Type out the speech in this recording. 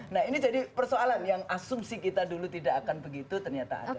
nah ini jadi persoalan yang asumsi kita dulu tidak akan begitu ternyata ada